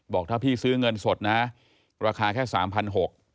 บอกถ้าพี่ซื้อเงินสดนะราคาแค่๓๖๐๐บาท